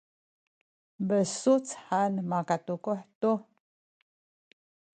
besuc han makatukuh tu